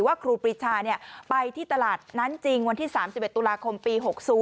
ครูปรีชาไปที่ตลาดนั้นจริงวันที่๓๑ตุลาคมปี๖๐